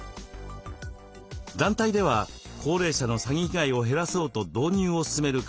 団体では高齢者の詐欺被害を減らそうと導入をすすめる活動を行っています。